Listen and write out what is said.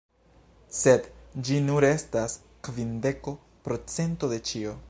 Sed ĝi nur estas kvindeko procento de ĉio